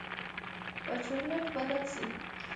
به چورلټ بدل شي.